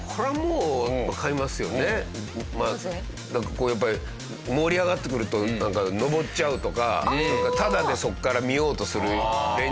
こうやっぱり盛り上がってくるとなんか登っちゃうとかそれからタダでそこから見ようとする連中。